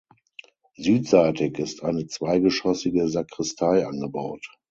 Südseitig ist eine zweigeschoßige Sakristei angebaut.